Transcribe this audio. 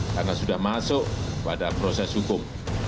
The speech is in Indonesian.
karena sudah masuk pada proses hukum